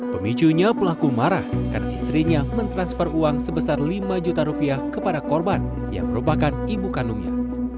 pemicunya pelaku marah karena istrinya mentransfer uang sebesar lima juta rupiah kepada korban yang merupakan ibu kandungnya